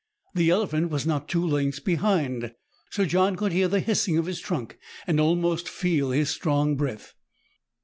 The elephant was not two lengths behind. Sir John could hear the hissing of his trunk, and almost feci his strong breath.